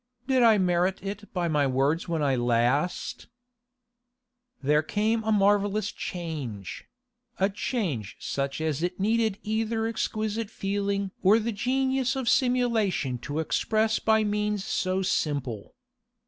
Did I merit it by my words when I last—' There came a marvellous change—a change such as it needed either exquisite feeling or the genius of simulation to express by means so simple.